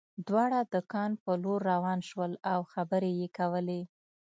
دواړه د کان په لور روان شول او خبرې یې کولې